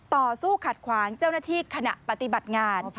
ต่อสู้ขัดขวางเจ้าหน้าที่ขณะปฏิบัติงาน